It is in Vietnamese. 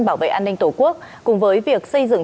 bảo vệ an ninh tổ quốc cùng với việc xây dựng